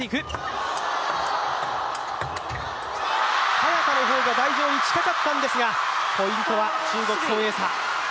早田の方が台上に近かったんですが、ポイントは中国・孫エイ莎。